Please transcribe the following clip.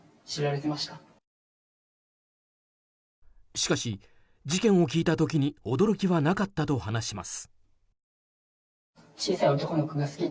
しかし、事件を聞いた時に驚きはなかったと話します。